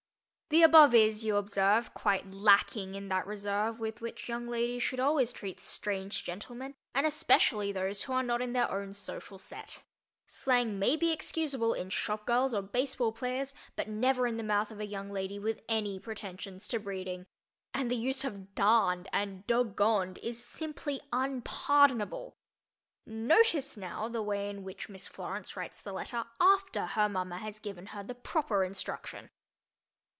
_ The above is, you observe, quite lacking in that reserve with which young ladies should always treat strange gentlemen and especially those who are not in their own social "set." Slang may be excusable in shop girls or baseball players, but never in the mouth of a young lady with any pretensions to breeding. And the use of "darned" and "dog goned" is simply unpardonable. Notice, now, the way in which Miss Florence writes the letter after, her mama has given her the proper instruction.